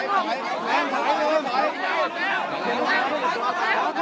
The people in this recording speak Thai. กลับเข้าไปนะครับเราจะไม่บุกลุกเข้าไปนะครับ